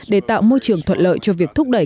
để tạo môi trường thuận lợi cho việc thúc đẩy